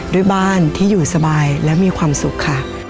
ด้วยบ้านที่อยู่สบายและมีความสุขค่ะ